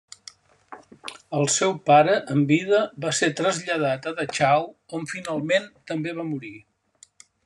El seu pare en vida va ser traslladat a Dachau on finalment també va morir.